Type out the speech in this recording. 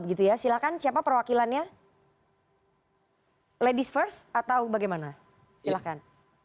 silahkan siapa perwakilannya ladies first atau bagaimana silahkan